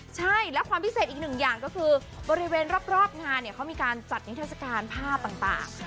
ใช่และความพิเศษอีกหนึ่งอย่างก็คือบริเวณรอบงานเนี่ยเขามีการจัดนิทัศกาลภาพต่าง